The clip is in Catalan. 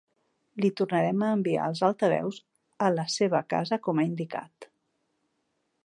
Li tornarem a enviar els altaveus a la seva casa com ha indicat.